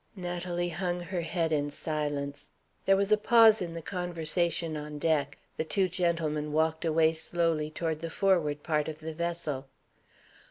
Natalie hung her head in silence. There was a pause in the conversation on deck. The two gentlemen walked away slowly toward the forward part of the vessel.